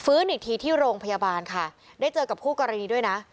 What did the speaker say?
อีกทีที่โรงพยาบาลค่ะได้เจอกับคู่กรณีด้วยนะ